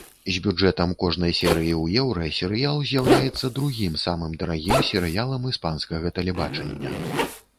З бюджэтам кожнай серыі ў еўра серыял з'яўляецца другім самым дарагім серыялам іспанскага тэлебачання.